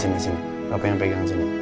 sini sini papa yang pegang